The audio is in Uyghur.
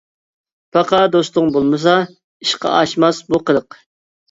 پاقا دوستۇڭ بولمىسا، ئىشقا ئاشماس بۇ قىلىق.